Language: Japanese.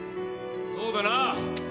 そうだな。